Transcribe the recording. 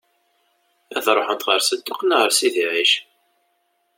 Ad ṛuḥen ɣer Sedduq neɣ ɣer Sidi Ɛic?